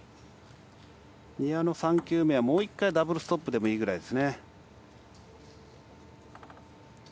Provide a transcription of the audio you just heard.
丹羽の３球目はもう１回ダブルストップでもいいくらいです。